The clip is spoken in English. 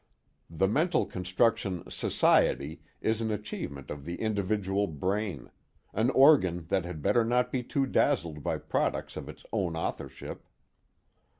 The mental construction "Society" is an achievement of the individual brain, an organ that had better not be too dazzled by products of its own authorship.